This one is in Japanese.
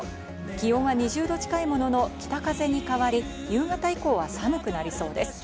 気温は２０度近いものの、北風に変わり、夕方以降は寒くなりそうです。